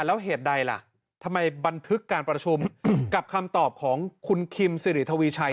แล้วเหตุใดล่ะทำไมบันทึกการประชุมกับคำตอบของคุณคิมสิริทวีชัย